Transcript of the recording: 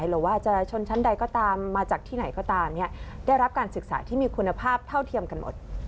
หรือว่าจะชนชั้นใดก็ตามมาจากที่ไหนก็ตามได้รับการศึกษาที่มีคุณภาพเท่าเทียมกันหมด